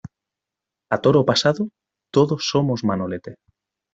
A toro pasado todos somos Manolete.